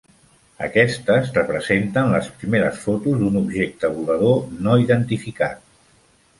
Aquestes representen les primeres fotos d'un objecte volador no identificat.